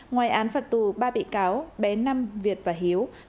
ngoài án phạt tù ba bị cáo bé năm việt và hiếu